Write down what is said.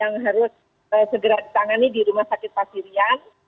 sehingga ada luka yang harus segera ditangani di rumah sakit papiria